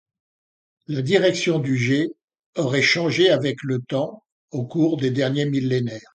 La direction du jet aurait changé avec le temps au cours des derniers millénaires.